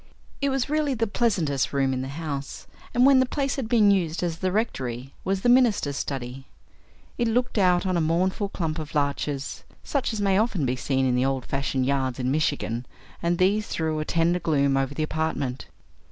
It was really the pleasantest room in the house, and when the place had been used as the rectory, was the minister's study. It looked out on a mournful clump of larches, such as may often be seen in the old fashioned yards in Michigan, and these threw a tender gloom over the apartment.